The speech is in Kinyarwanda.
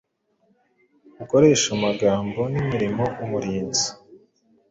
Ukoresheje amagambo nimirimo umurinzi